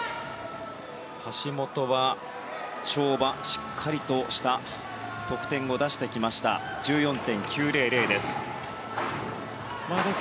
橋本は跳馬しっかりとした得点を出してきました。１４．９００です。